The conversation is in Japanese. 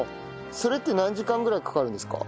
それって何時間ぐらいかかるんですか？